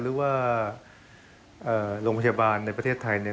หรือว่าโรงพยาบาลในประเทศไทยเนี่ย